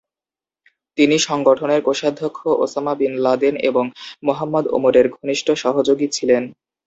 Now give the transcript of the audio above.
তিনি সংগঠনের কোষাধ্যক্ষ, ওসামা বিন লাদেন এবং মোহাম্মদ ওমরের ঘনিষ্ঠ সহযোগী ছিলেন।